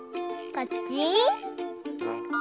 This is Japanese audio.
こっち？